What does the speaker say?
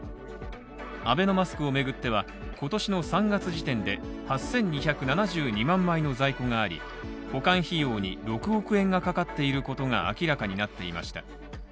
アベノマスクをめぐっては、今年の３月時点で８２７２万枚の在庫があり、保管費用に６億円がかかっていることが明らかになっていました。